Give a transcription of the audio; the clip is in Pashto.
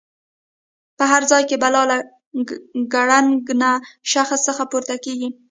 په هر ځای کې بلا له ګړنګن شخص څخه پورته کېږي.